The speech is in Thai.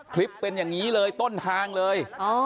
คลิปเป็นอย่างนี้เลยต้นทางเลย